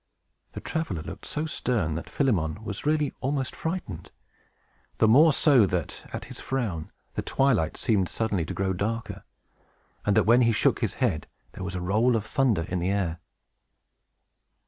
The traveler looked so stern that Philemon was really almost frightened; the more so, that, at his frown, the twilight seemed suddenly to grow darker, and that, when he shook his head, there was a roll as of thunder in the air.